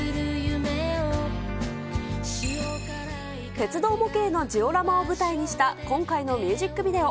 鉄道模型のジオラマを舞台にした、今回のミュージックビデオ。